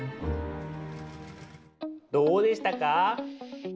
どうでしたか？